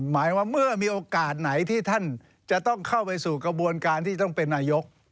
หมายว่าเมื่อมีโอกาสไหนที่ท่านจะต้องเข้าไปสู่กระบวนการที่ต้องเป็นนายก